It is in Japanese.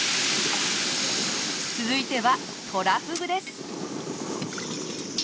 続いてはトラフグです。